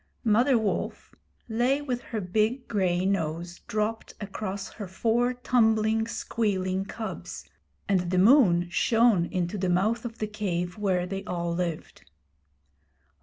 Mother Wolf lay with her big gray nose dropped across her four tumbling, squealing cubs, and the moon shone into the mouth of the cave where they all lived.